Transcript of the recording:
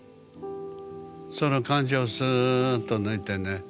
その感情をすっと抜いてね